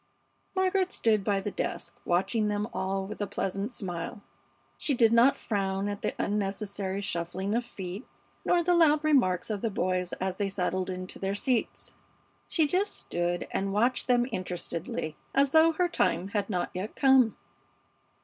Margaret stood by the desk, watching them all with a pleasant smile. She did not frown at the unnecessary shuffling of feet nor the loud remarks of the boys as they settled into their seats. She just stood and watched them interestedly, as though her time had not yet come.